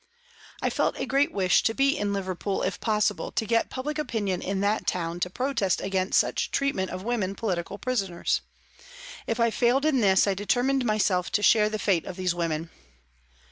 I felt a great wish to be in Liverpool, if possible, to get public opinion in that town to protest against such treatment of women political prisoners. If I failed in this, I determined myself to share the fate of these women.